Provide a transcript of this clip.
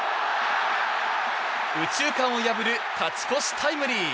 右中間を破る勝ち越しタイムリー！